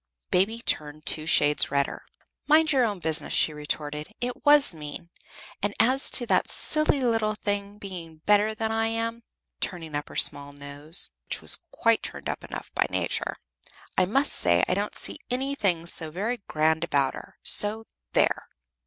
Baby turned two shades redder. "Mind your own business," she retorted. "It was mean; and as to that silly little thing being better than I am," turning up her small nose, which was quite turned up enough by Nature "I must say I don't see anything so very grand about her. So, there!"